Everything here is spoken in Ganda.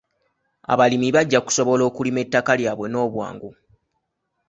Abalimi bajja kusobola okulima ettaka lyabwe n'obwangu.